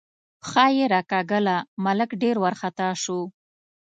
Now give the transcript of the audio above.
پښه یې راکاږله، ملک ډېر وارخطا شو.